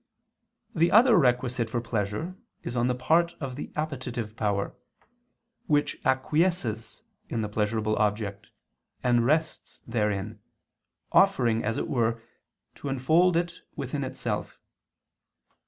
The other requisite for pleasure is on the part of the appetitive power, which acquiesces in the pleasurable object, and rests therein, offering, as it were, to enfold it within itself.